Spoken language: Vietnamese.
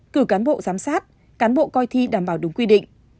cử cán bộ giám sát cán bộ coi thi đảm bảo đúng quy định